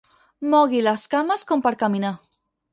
Mogui les cames com per caminar.